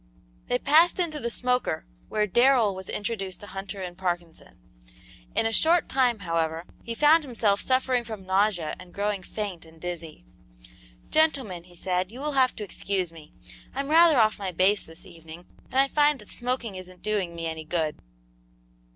They passed into the smoker, where Darrell was introduced to Hunter and Parkinson. In a short time, however, he found himself suffering from nausea and growing faint and dizzy. "Gentlemen," he said, "you will have to excuse me. I'm rather off my base this evening, and I find that smoking isn't doing me any good."